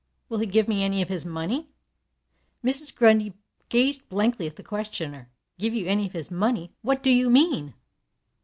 "Will he give me any of his money?" Mrs. Grundy gazed blankly at the questioner. "Give you any of his money? What do you mean?"